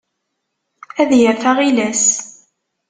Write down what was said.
Ad yaf aɣilas.